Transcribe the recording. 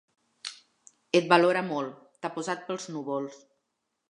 Et valora molt: t'ha posat pels núvols.